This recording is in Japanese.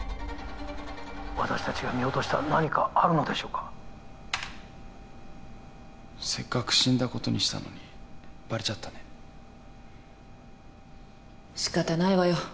私たちが見落とした何かあるのでしょうかせっかく死んだことにしたのにバレちゃったね仕方ないわよ